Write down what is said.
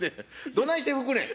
どないして拭くねん。